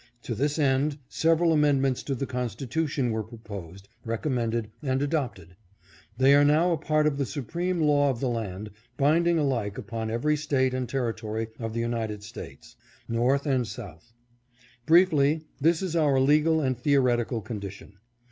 To this end, several amend ments to the constitution were proposed, recommended, and adopted. They are now a part of the supreme law of the land, binding alike upon every State and Territory of the United States, North and South. Briefly, this is our legal and theoretical condition.